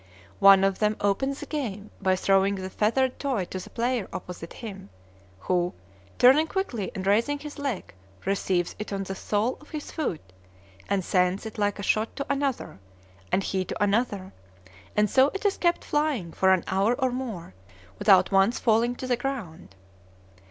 One of them opens the game by throwing the feathered toy to the player opposite him, who, turning quickly and raising his leg, receives it on the sole of his foot, and sends it like a shot to another, and he to another; and so it is kept flying for an hour or more, without once falling to the ground.